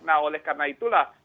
nah oleh karena itulah